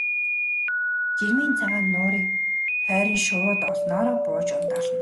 Жирмийн цагаан нуурын тойрон шувууд олноороо бууж ундаална.